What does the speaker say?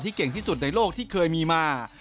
เก่งที่สุดในโลกที่เคยมีมา